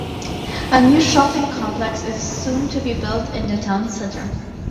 A new shopping complex is soon to be built in the town centre.